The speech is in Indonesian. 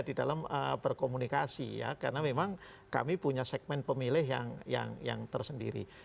jadi kita harus berkomunikasi ya karena memang kami punya segmen pemilih yang tersendiri